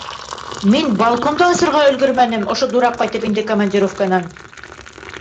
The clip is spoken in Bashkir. Мин балконды асырға өлгөрмәнем, ошо дурак ҡайтып инде командировканан.